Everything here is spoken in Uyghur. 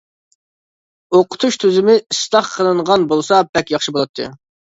ئوقۇتۇش تۈزۈمى ئىسلاھ قىلىنغان بولسا بەك ياخشى بولاتتى.